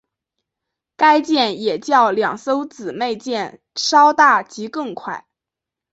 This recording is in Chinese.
该舰也较两艘姊妹舰稍大及更快。